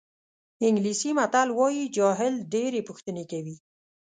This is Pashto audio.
انګلیسي متل وایي جاهل ډېرې پوښتنې کوي.